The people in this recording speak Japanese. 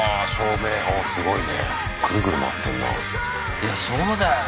いやそうだよな